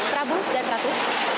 prabu dan ratu